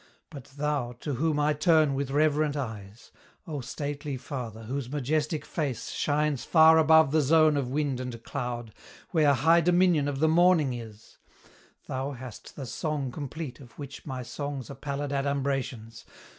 But thou, to whom I turn with reverent eyes O stately Father, whose majestic face Shines far above the zone of wind and cloud, Where high dominion of the morning is Thou hast the Song complete of which my songs Are pallid adumbrations!